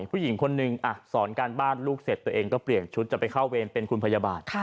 ผู้หญิงคนนึงสอนการบ้านลูกเสร็จตัวเองก็เปลี่ยนชุดจะไปเข้าเวรเป็นคุณพยาบาล